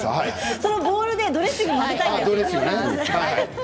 そのボウルでドレッシングを混ぜたいです。